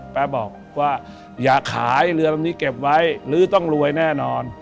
บอกว่าอยากขายเรือแบบนี้เก็บไว้หรือต้องรวยแน่นอน